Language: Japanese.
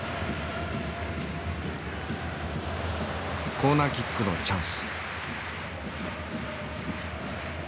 コーナーキックのチャンス。